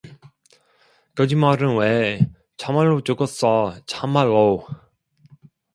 거짓말은 왜, 참말로 죽었어, 참말로